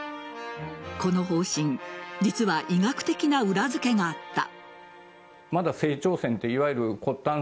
この方針実は医学的な裏付けがあった。